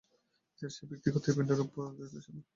এছাড়া সে ব্যক্তিগত ইভেন্টে রৌপ্য পদক জিতেছিল।